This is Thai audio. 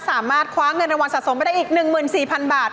สามารถคว้าเงินรางวัลสะสมไปได้อีก๑๔๐๐๐บาท